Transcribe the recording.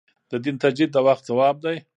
د دین تجدید د وخت ځواب دی.